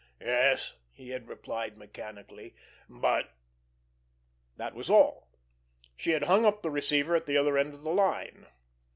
"Yes," he had replied mechanically; "but——" That was all. She had hung up the receiver at the other end of the line.